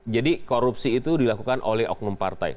korupsi itu dilakukan oleh oknum partai